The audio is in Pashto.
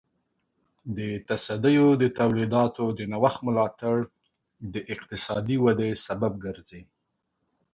د تصدیو د تولیداتو د نوښت ملاتړ د اقتصادي ودې سبب ګرځي.